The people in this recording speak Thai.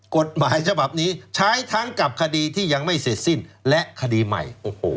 กฎหมายฉบับนี้ใช้ทั้งกับคดีที่ยังไม่เสร็จสิ้นและคดีใหม่